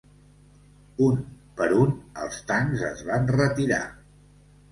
Un per un els tancs es van retirar.